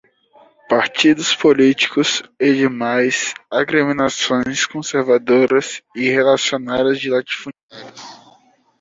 partidos políticos e demais agremiações conservadoras e reacionárias de latifundiários